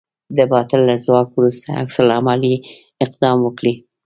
د باطل له ځواک وروسته عکس العملي اقدام وکړئ.